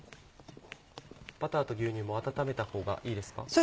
バターと牛乳も温めたほうがいいですか？